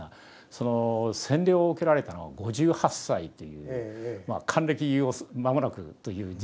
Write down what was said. その洗礼を受けられたのは５８歳という還暦を間もなくという時期だったわけですね。